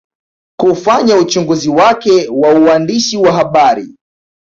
Kufanya uchunguzi wake wa uandishi wa habari